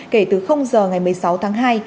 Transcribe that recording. kể từ giờ ngày một mươi sáu tháng hai